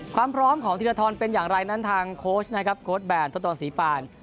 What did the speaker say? ความพร้อมของธีรฐรเป็นอย่างไรนั้นทางโค้ชแบรนด์ทศศรีปาล